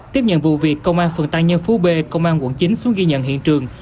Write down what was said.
tiếp nhận vụ việc công an phường tăng nhân phú b công an quận chín xuống ghi nhận hiện trường